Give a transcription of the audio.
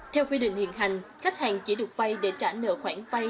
theo quy định hiện hành khách hàng chỉ được vay để trả nợ khoản vay